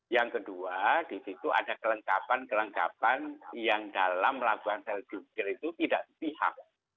yang kedua disitu ada kelengkapan kelengkapan yang dalam melakukan self declare itu tidak pihak